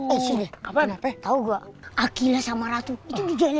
apa apa tau gak akilah sama ratu itu di jahit ya